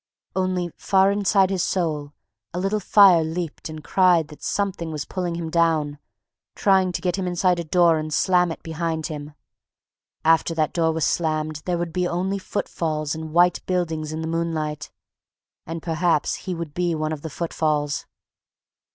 Only far inside his soul a little fire leaped and cried that something was pulling him down, trying to get him inside a door and slam it behind him. After that door was slammed there would be only footfalls and white buildings in the moonlight, and perhaps he would be one of the footfalls.